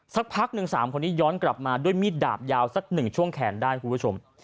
สักพักหนึ่ง๓คนนี้ย้อนกลับมาด้วยมีดดาบยาวสักหนึ่งช่วงแขนได้คุณผู้ชม